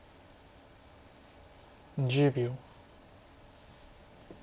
１０秒。